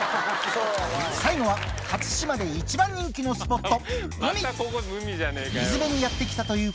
最後は初島で一番人気のスポット